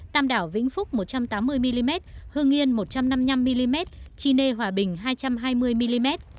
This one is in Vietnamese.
tam đảo vĩnh phúc một trăm tám mươi mm hương yên một trăm năm mươi năm mm chi nê hòa bình hai trăm hai mươi mm